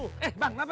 eh bang kenapa